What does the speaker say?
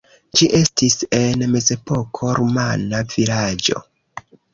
Ĝi estis en mezepoko rumana vilaĝo.